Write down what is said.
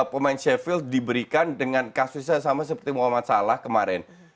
pemain cheffield diberikan dengan kasusnya sama seperti muhammad salah kemarin